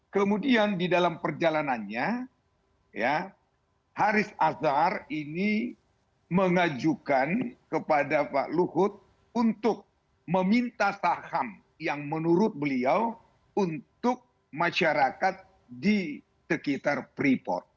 kemudian di dalam perjalanannya haris azhar ini mengajukan kepada pak luhut untuk meminta saham yang menurut beliau untuk masyarakat di sekitar freeport